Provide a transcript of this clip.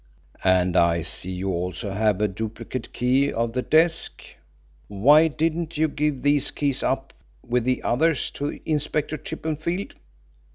"And I see you also have a duplicate key of the desk. Why didn't you give these keys up with the others to Inspector Chippenfield?"